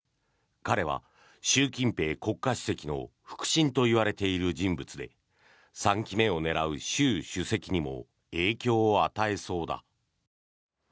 彼は習近平国家主席の腹心といわれている人物で３期目を狙う習主席にも影響を与えそうだ。